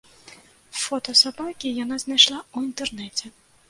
Фота сабакі яна знайшла ў інтэрнэце.